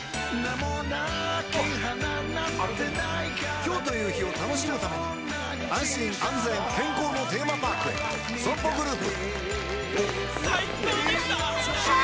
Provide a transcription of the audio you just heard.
今日という日を楽しむために安心安全健康のテーマパークへＳＯＭＰＯグループ